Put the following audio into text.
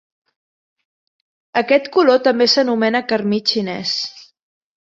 Aquest color també s'anomena carmí xinès.